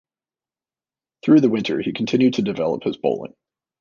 Through the winter, he continued to develop his bowling.